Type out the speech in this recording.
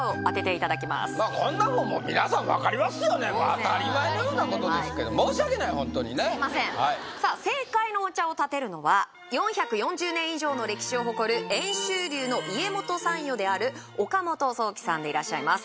こんなもん皆さんわかりますよね当たり前のようなことですけど申し訳ない本当にねすいませんさあ正解のお茶をたてるのは４４０年以上の歴史を誇る遠州流の家元参与である岡本宗紀さんでいらっしゃいます